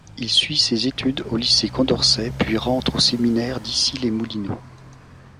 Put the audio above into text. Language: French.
Il suit ses études au lycée Condorcet puis rentre au séminaire d'Issy-les-Moulineaux.